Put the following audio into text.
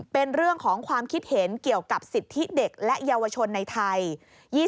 เป็นเรื่องของความคิดเห็นเกี่ยวกับสิทธิเด็กและเยาวชนในไทย